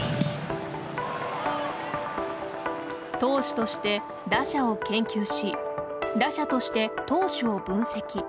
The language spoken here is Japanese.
投手として打者を研究し打者として投手を分析。